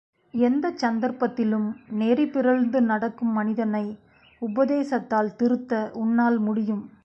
எந்தச் சந்தர்ப்பத்திலும், நெறிபிறழ்ந்து நடக்கும் மனிதனை உபதேசத்தால் திருத்த உன்னால் முடியும்.